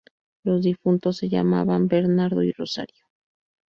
Los difuntos se llamaban Bernardo y Rosario.